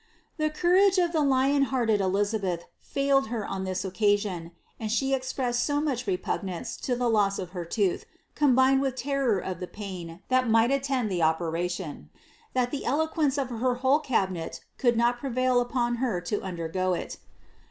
The courage of the lion hearted Elizabeth failed her on this occasion, and she ei:pressed so much repugnance to the loss of her looth, combined with terror of the pain that might at tend the operation, that the eloquence of her whole cabinet could not prevail upon her to undergo it.